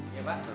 iya pak berapa